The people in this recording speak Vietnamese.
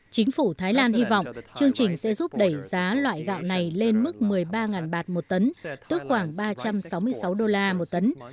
chính phủ thái lan hy vọng chương trình sẽ giúp đẩy giá loại gạo này lên mức một mươi ba bạt một tấn tức khoảng ba trăm sáu mươi sáu đô la một tấn